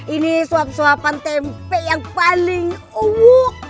ini suap suapan tempe yang paling uwuk